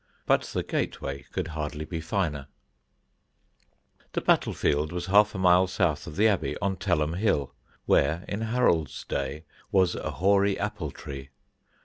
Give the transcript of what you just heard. But the gateway could hardly be finer. [Sidenote: BATTLE CRIES] The battle field was half a mile south of the Abbey, on Telham hill, where in Harold's day was a hoary apple tree.